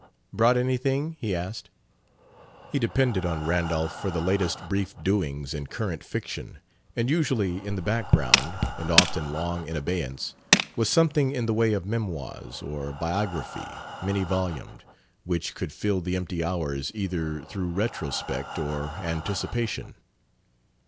"Brought anything?" he asked. He depended on Randolph for the latest brief doings in current fiction; and usually in the background and often long in abeyance was something in the way of memoirs or biography, many volumed, which could fill the empty hours either through retrospect or anticipation.